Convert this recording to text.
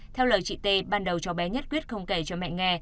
theo lời chị tê ban đầu cho bé nhất quyết không kể cho mẹ nghe